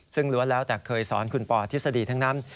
ซึ่งล้วนแล้วแต่เคยสอนคุณปอทฤษฎีทั้งนั้น